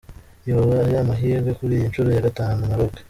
Yoba ari amahigwe kuri iyi ncuro ya gatanu? Maroc.